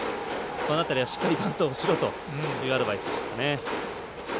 この辺りはしっかりバントをしろというアドバイスでしたかね。